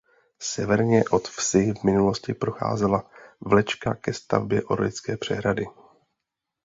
Severně od vsi v minulosti procházela vlečka ke stavbě Orlické přehrady.